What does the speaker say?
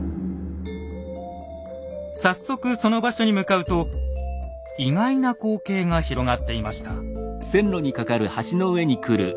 早速その場所に向かうと意外な光景が広がっていました。